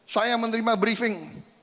saya yang menerima briefing